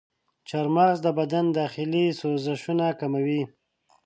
چارمغز د بدن داخلي سوزشونه کموي.